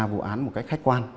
vụ án một cách khách quan